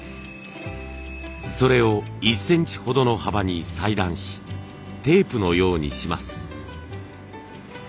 それを１センチほどの幅に裁断しテープのようにします。